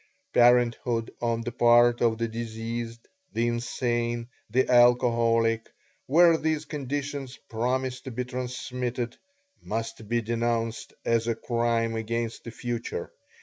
Parenthood on the part of the diseased, the insane, the alcoholic where these conditions promise to be transmitted must be denounced as a crime against the future.